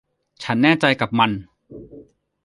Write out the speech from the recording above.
ฉันแน่ใจกับมัน